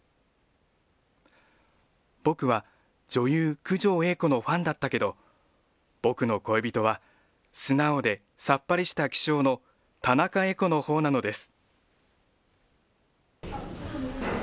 僕は女優、九條映子のファンだったけど、僕の恋人は素直でさっぱりした気性の田中映子のほうなのです。